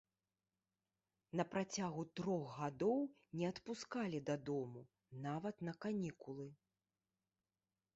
На працягу трох гадоў не адпускалі дадому, нават на канікулы.